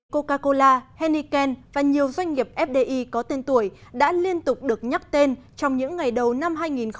coca cola henneken và nhiều doanh nghiệp fdi có tên tuổi đã liên tục được nhắc tên trong những ngày đầu năm hai nghìn hai mươi